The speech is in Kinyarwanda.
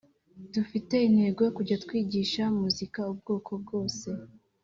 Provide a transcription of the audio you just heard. dufite intego yo kujya twigisha muzika ubwoko bwose